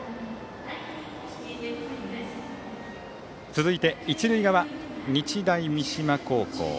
続いて一塁側、日大三島高校